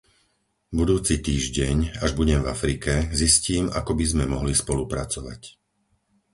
Budúci týždeň, až budem v Afrike, zistím, ako by sme mohli spolupracovať.